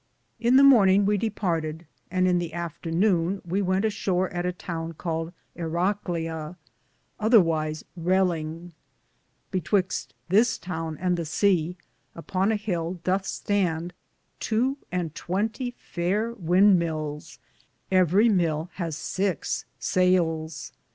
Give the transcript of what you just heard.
In the morninge we departede, and in the afternowne we wente ashore at a towne caled Heragleza,^ other wyse Rellinge. Betwyxte this towne and the sea, upon a hill Dothe stande tow and twentie fayer wynde milns ; everie milne hathe six sayles.